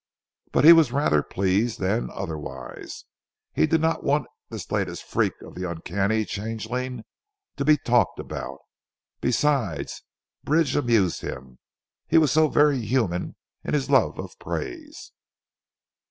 But he was rather pleased than otherwise. He did not want this latest freak of the uncanny changeling to be talked about. Besides, Bridge amused him. He was so very human in his love of praise.